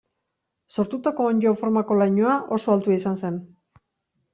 Sortutako onddo formako lainoa oso altua izan zen.